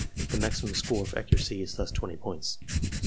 The maximum score for accuracy is thus 20 points.